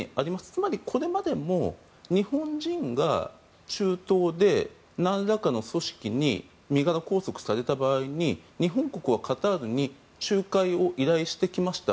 つまりこれまでも日本人が中東でなんらかの組織に身柄拘束された場合に日本国はカタールに仲介を依頼してきました。